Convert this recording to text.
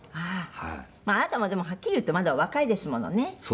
黒柳：あなたも、はっきり言ってまだお若いですものね。谷村：